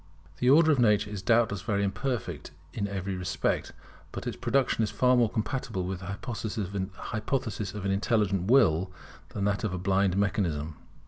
The Order of Nature is doubtless very imperfect in every respect; but its production is far more compatible with the hypothesis of an intelligent Will than with that of a blind mechanism.